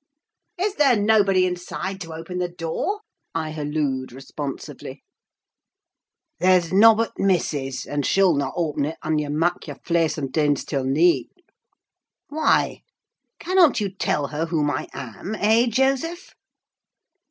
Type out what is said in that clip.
"Is there nobody inside to open the door?" I hallooed, responsively. "There's nobbut t' missis; and shoo'll not oppen 't an ye mak' yer flaysome dins till neeght." "Why? Cannot you tell her whom I am, eh, Joseph?"